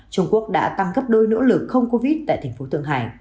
trung quốc đã tăng cấp đôi nỗ lực không covid tại tp th